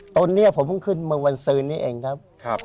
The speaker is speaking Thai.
ตอนนี้ผมขึ้นมาวันซือนี้เองครับ